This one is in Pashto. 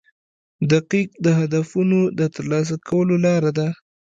• دقیقه د هدفونو د ترلاسه کولو لار ده.